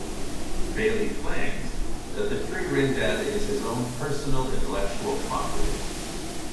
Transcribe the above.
Baillie claims that the tree-ring data is his own personal intellectual property.